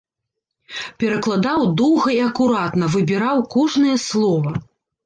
Перакладаў доўга і акуратна, выбіраў кожнае слова.